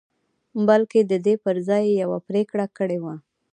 بلکې د دې پر ځای يې يوه پرېکړه کړې وه.